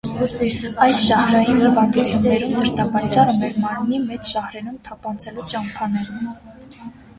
Այս ժահրային հիւանդութիւններուն դրդապատճառը մեր մարմնի մէջ ժահրերուն թափանցելու ճամբաներն են։